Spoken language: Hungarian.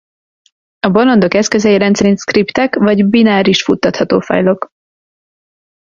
A bolondok eszközei rendszerint szkriptek vagy bináris futtatható fájlok.